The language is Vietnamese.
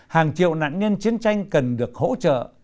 hàng triệu nạn nhân chiến tranh cần được hỗ trợ